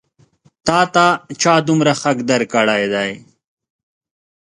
تا ته چا دومره حق درکړی دی؟